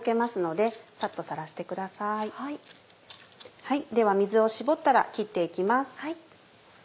では水を絞ったら切って行きます。